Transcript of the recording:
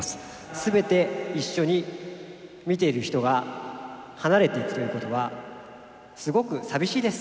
すべて一緒に見ている人が、離れていくということは、すごく寂しいです。